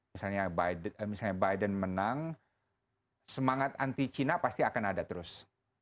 misalnya biden menang semangat anti china pasti akan ada terus